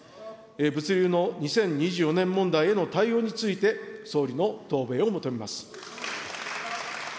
物流の２０２４年問題への対応について、総理の答弁を求めます。